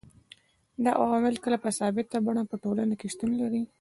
دا عوامل کله په ثابته بڼه په ټولنه کي شتون لري